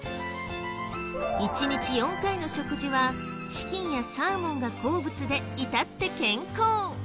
１日４回の食事はチキンやサーモンが好物で至って健康。